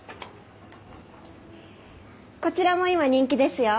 こちらも今人気ですよ。